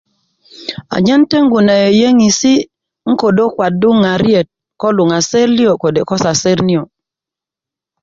anyen teŋgu na yeyeesi' nan ködö kwaddu ŋariyesi' ko luŋaser liyo' kode' ko saser niyo'